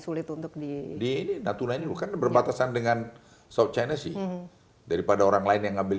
sulit untuk di natuna ini bukan berbatasan dengan south china sih daripada orang lain yang ngambil